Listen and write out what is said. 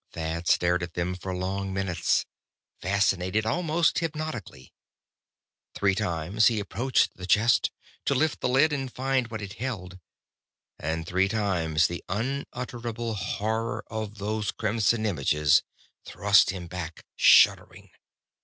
Thad stared at them for long minutes, fascinated almost hypnotically. Three times he approached the chest, to lift the lid and find what it held. And three times the unutterable horror of those crimson images thrust him back, shuddering.